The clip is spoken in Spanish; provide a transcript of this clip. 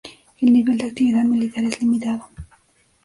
El nivel de actividad militar es limitado.